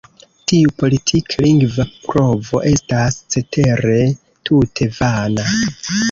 Tiu politik-lingva provo estas cetere tute vana.